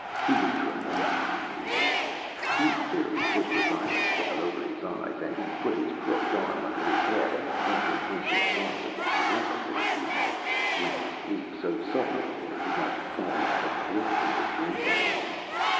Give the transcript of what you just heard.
He was tremendously sleepy. Sleep fairly pushed his eyelids down over his eyes, and he put his crooked arm under his head and, after thinking fondly of Syrilla for a few minutes, went to sleep so suddenly that it was like falling off a cliff into dreamland.